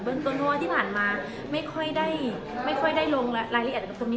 เบื้องตัวเนาะที่ผ่านมาไม่ค่อยได้ลงรายละเอียดตรงตรงนี้